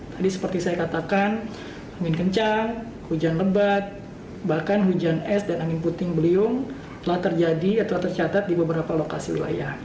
tadi seperti saya katakan angin kencang hujan lebat bahkan hujan es dan angin puting beliung telah terjadi atau tercatat di beberapa lokasi wilayah